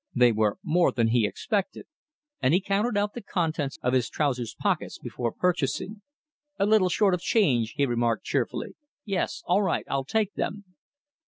They were more than he expected, and he counted out the contents of his trousers pockets before purchasing. "A little short of change," he remarked cheerfully. "Yes! all right, I'll take them."